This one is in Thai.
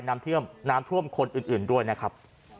น้ำท่วมน้ำท่วมคนอื่นด้วยนะครับ